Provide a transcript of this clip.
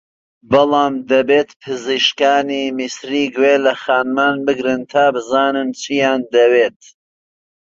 بەڵام دەبێت پزیشکانی میسری گوێ لە خانمان بگرن تا بزانن چییان دەوێت